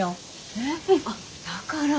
へぇあっだから。